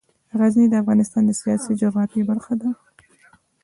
غزني د افغانستان د سیاسي جغرافیه برخه ده.